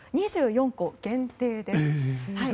２４個限定です。